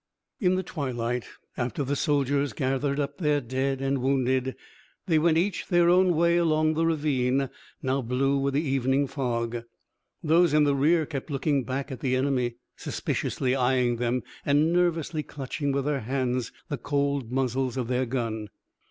In the twilight, after the soldiers gathered up their dead and wounded, they went each their own way along the ravine, now blue with the evening fog. Those in the rear kept looking back at the enemy, suspiciously eyeing them, and nervously clutching with their hands the cold muzzles of their guns.